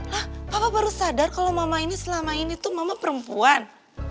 lah papa baru sadar kalau mama ini selama ini tuh mama perempuan